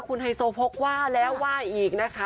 คุณไฮโซโพกว่าแล้วว่าอีกนะคะ